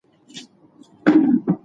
دا کیسه د هر پښتون لپاره یو ګټور درس لري.